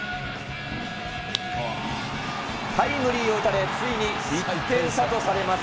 タイムリーを打たれ、ついに１点差とされます。